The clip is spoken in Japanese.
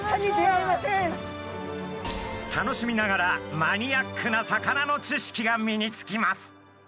楽しみながらマニアックな魚の知識が身につきます。